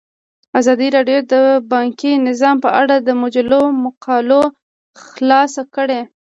ازادي راډیو د بانکي نظام په اړه د مجلو مقالو خلاصه کړې.